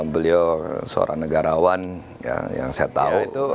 beliau seorang negarawan yang saya tahu